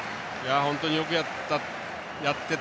本当によくやっていた。